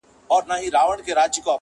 • ځو به چي د شمعي پر لار تلل زده کړو -